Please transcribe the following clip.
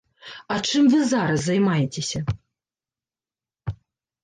А чым вы зараз займаецеся?